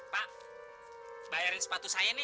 pak bayarin sepatu saya nih